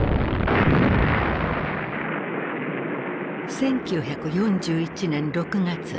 １９４１年６月。